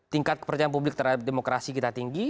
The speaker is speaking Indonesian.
tingkat kepercayaan publik terhadap demokrasi kita tinggi